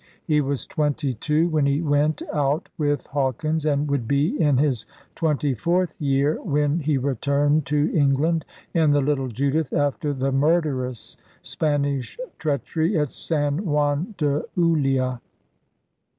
He was twenty two when he went out with Haw kins and would be in his twenty fourth year when he returned to England in the little Judith after the murderous Spanish treachery at San Juan de Ulua.